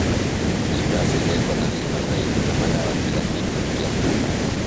Likasi beko na lima zaidi na madawa kila kitu kya kula